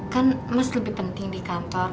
kan mas lebih penting di kantor